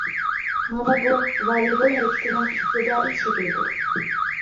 مانا بۇ ۋالىبول ھەرىكىتىنىڭ ئىپتىدائىي شەكلىدۇر.